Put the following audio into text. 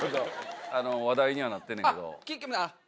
あの話題にはなってんねんけど。